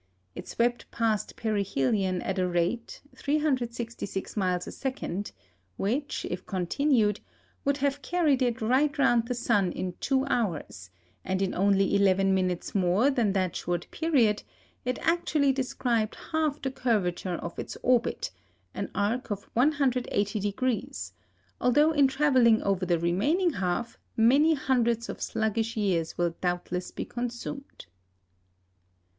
It swept past perihelion at a rate 366 miles a second which, if continued, would have carried it right round the sun in two hours; and in only eleven minutes more than that short period it actually described half the curvature of its orbit an arc of 180° although in travelling over the remaining half many hundreds of sluggish years will doubtless be consumed.